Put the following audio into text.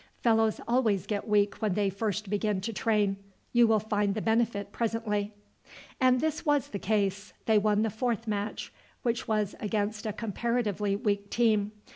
"Fellows always get weak when they first begin to train. You will find the benefit presently." And this was the case. They won the fourth match, which was against a comparatively weak team.